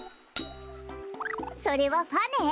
それはファね。